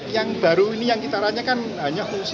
yang baru ini yang kita rasanya kan hanya fungsi